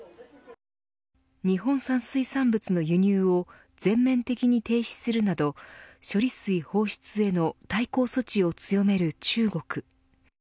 日本産水産物の輸入を全面的に停止するなど処理水放出への対抗措置を強める中国。